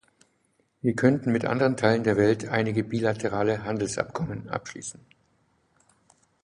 Wir könnten mit anderen Teilen der Welt einige bilaterale Handelsabkommen abschließen.